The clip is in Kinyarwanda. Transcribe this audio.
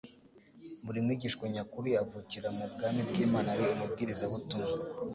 Buri mwigishwa nyakuri avukira mu bwami bw’Imana ari umubwirizabutumwa